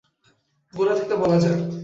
গোড়া থেকে বলা যাক।